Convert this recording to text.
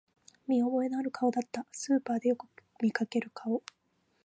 見覚えのある顔だった、スーパーでよく見かける顔